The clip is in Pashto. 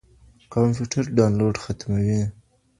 کمپيوټر ډاونلوډ ختموي.